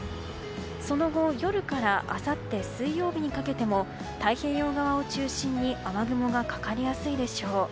その後、夜からあさって水曜日にかけても太平洋側を中心に雨雲がかかりやすいでしょう。